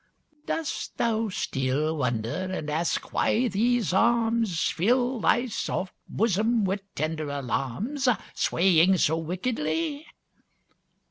Dost thou still wonder, and ask why these arms Fill thy soft bosom with tender alarms, Swaying so wickedly?